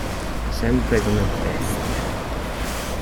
Sempre come bestie.